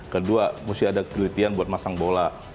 kedua mesti ada kelitian buat masang bola